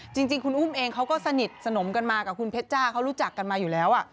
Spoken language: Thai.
จริงคุณอุ้มเองเขาก็สนิทสนมกันมากับคุณเพชรจ้าเขารู้จักกันมาอยู่แล้ว